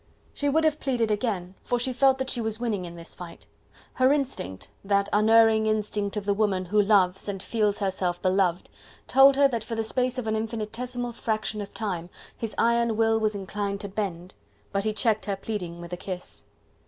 She would have pleaded again, for she felt that she was winning in this fight: her instinct that unerring instinct of the woman who loves and feels herself beloved told her that for the space of an infinitesimal fraction of time, his iron will was inclined to bend; but he checked her pleading with a kiss.